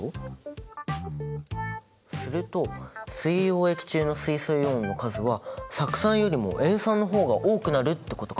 すると水溶液中の水素イオンの数は酢酸よりも塩酸の方が多くなるってことか！